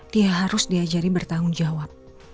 dia harus diajari bertanggung jawab